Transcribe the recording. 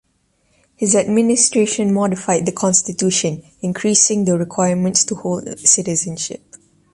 His administration modified the constitution, increasing the requirements to hold citizenship.